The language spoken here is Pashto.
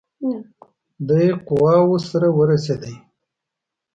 دی قواوو سره ورسېدی.